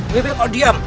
mimpi kau diam